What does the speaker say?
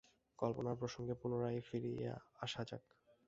কল্পনার প্রসঙ্গে পুনরায় ফিরিয়া আসা যাক।